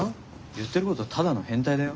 言ってることただの変態だよ。